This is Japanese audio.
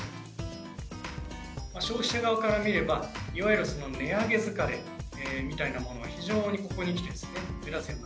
消費者側から見れば、いわゆる値上げ疲れみたいなものが非常にここにきて目立つように